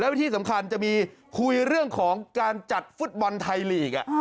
และที่สำคัญจะมีคุยเรื่องของการจัดฟุตบอลไทยลีก